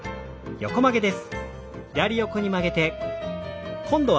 横曲げです。